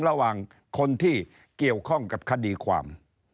ระหว่างคนที่เกี่ยวข้องกับคดีความ